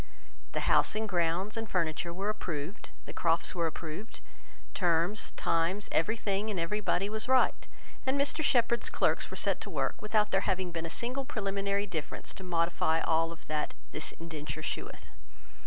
The house and grounds, and furniture, were approved, the Crofts were approved, terms, time, every thing, and every body, was right; and Mr Shepherd's clerks were set to work, without there having been a single preliminary difference to modify of all that "This indenture sheweth."